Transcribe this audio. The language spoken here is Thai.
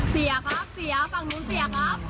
เสียครับเสียฝั่งมุนส่วนตัว